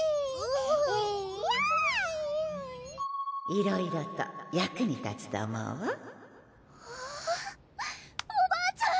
いろいろと役に立つと思うわおばあちゃん